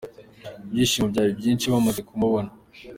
Ibyishimo byari byinshi bamaze kumubona.